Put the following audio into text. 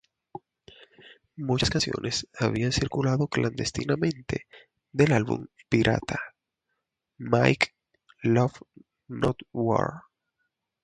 Muchas canciones habían circulado clandestinamente del álbum pirata "Mike Love Not War".